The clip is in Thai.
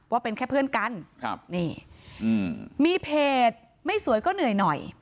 ว่าเป็นแค่เพื่อนกันครับนี่มีเพจไม่สวยก็เหนื่อยหน่อย